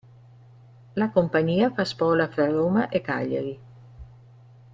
La compagnia fa spola fra Roma e Cagliari.